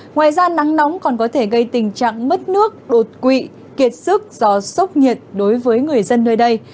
ngoài ra nắng nóng còn có thể gây tình trạng mất nước đột quỵ kiệt sức do sốc nhiệt đối với người dân nơi đây